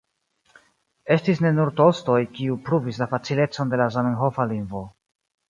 Estis ne nur Tolstoj, kiu pruvis la facilecon de la zamenhofa lingvo.